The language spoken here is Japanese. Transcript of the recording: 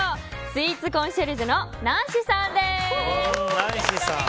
スイーツコンシェルジュのナンシさんです。